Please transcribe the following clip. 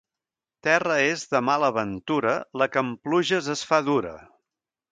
Terra és de mala ventura la que en pluges es fa dura.